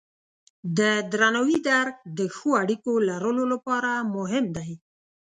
د درناوي درک د ښو اړیکو لرلو لپاره مهم دی.